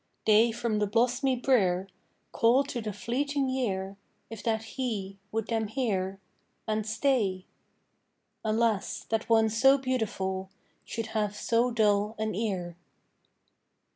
They from the blosmy brere Call to the fleeting year, If that he would them hear And stay. Alas! that one so beautiful Should have so dull an ear.